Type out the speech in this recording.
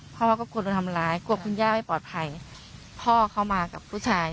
พ่อก็กลัวโดนทำร้ายกลัวคุณย่าไม่ปลอดภัยพ่อเขามากับลูกชาย